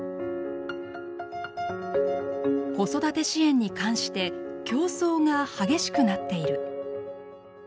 「子育て支援に関して競争が激しくなっている」。